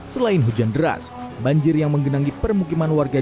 selain hujan deras banjir yang menggenangi permukiman warga